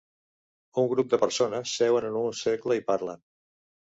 Un grup de persones seuen en un cercle i parlen.